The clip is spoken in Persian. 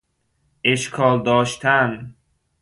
اشکال داشتن